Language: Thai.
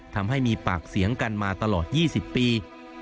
ทำให้มีปากเสียงกันมาตลอด๒๐ปี